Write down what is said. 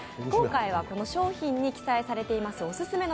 今回は商品に記載されています